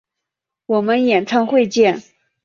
我们演唱会见！